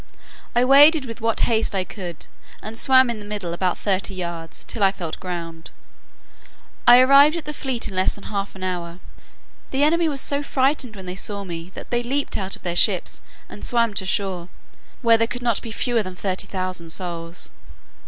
I waded with what haste I could, and swam in the middle about thirty yards, till I felt ground. I arrived at the fleet in less than half an hour. The enemy was so frightened when they saw me, that they leaped out of their ships, and swam to shore, where there could not be fewer than thirty thousand souls.